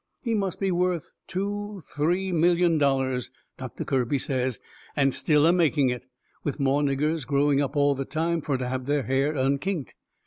He must be worth two, three million dollars, Doctor Kirby says, and still a making it, with more niggers growing up all the time fur to have their hair unkinked.